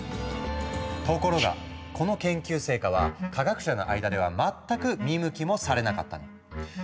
ところがこの研究成果は科学者の間では全く見向きもされなかったの。